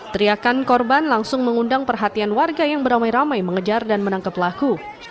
teriakan korban langsung mengundang perhatian warga yang beramai ramai mengejar dan menangkap pelaku